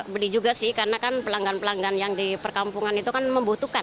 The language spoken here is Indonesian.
beli juga sih karena kan pelanggan pelanggan yang di perkampungan itu kan membutuhkan